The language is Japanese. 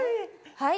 はい。